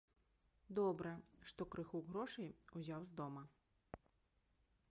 Добра, што крыху грошай узяў з дома.